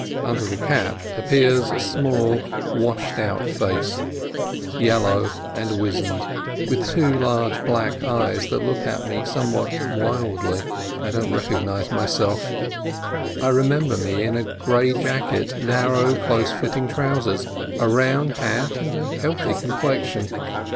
Under the cap appears a small, washed out face, yel low and weazened, with two large black eyes that look at me somewhat wildly. I don't recognize myself; I remember me in a grey jacket, narrow, close fitting trousers, a round hat, and a healthy complexion.